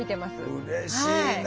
うれしいな。